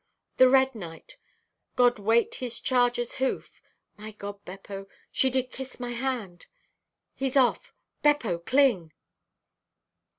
"The red knight! God weight his charger's hoof! (My God, Beppo, she did kiss my hand!) "He's off! Beppo, cling!"